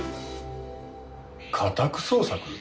家宅捜索？